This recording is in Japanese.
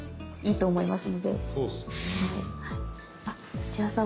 土屋さん